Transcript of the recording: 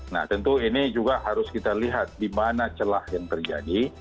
nah tentu ini juga harus kita lihat di mana celah yang terjadi